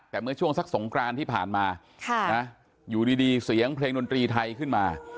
แต่เมื่อช่วงสักสงกรานที่ผ่านมาอยู่ดีเสียงเพลงดนตรีไทยขึ้นมา